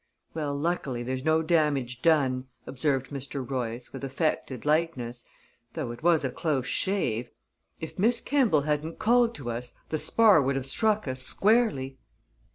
"Well, luckily, there's no damage done," observed Mr. Royce, with affected lightness, "though it was a close shave. If Miss Kemball hadn't called to us, the spar would have struck us squarely."